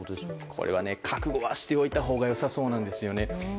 これは覚悟はしておいたほうが良さそうなんですよね。